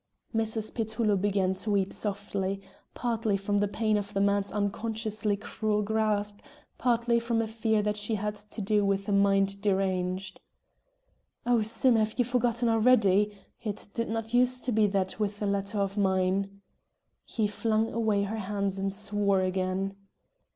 Mrs. Petullo began to weep softly, partly from the pain of the man's unconsciously cruel grasp, partly frotn disillusion, partly from a fear that she had to do with a mind deranged. "Oh, Sim, have you forgotten already? It did not use to be that with a letter of mine!" He flung away her hands and swore again.